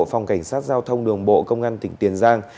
phòng cảnh sát giao thông đường bộ công an tỉnh tiền giang